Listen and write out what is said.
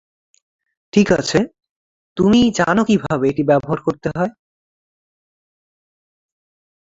ঠিক আছে, তুমি জানো কিভাবে এটি ব্যবহার করতে হয়?